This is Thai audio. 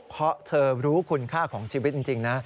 เพราะเธอรู้คุณค่าของชีวิตจริงนะ